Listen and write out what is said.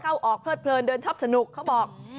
เข้าออกเลิดเพลินเดินช็อปสนุกเขาบอก